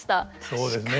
そうですね。